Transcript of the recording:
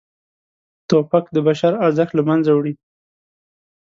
توپک د بشر ارزښت له منځه وړي.